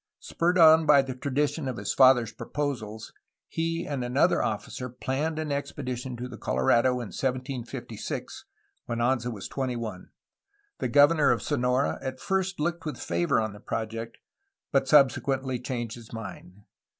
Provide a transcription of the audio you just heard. Spurred on by the tradition of his father's proposals, he and another officer planned an expedition to the Colorado in 1756 (when Anza was twenty one). The governor of Sonora at first looked with favor on the project, but sub sequently changed his mind.